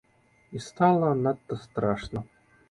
І стала надта страшна.